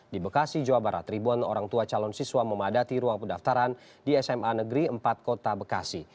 di bekasi jawa barat ribuan orang tua calon siswa memadati ruang pendaftaran di sma negeri empat kota bekasi